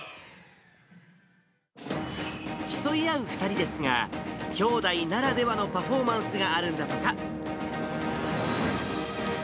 競い合う２人ですが、兄弟ならではのパフォーマンスがあるんだとか。